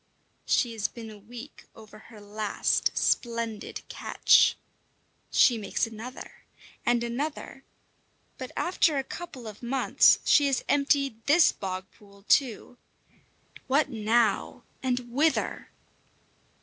She has been a week over her last splendid catch. She makes another and another; but after a couple of months she has emptied this bog pool too. What now, and whither?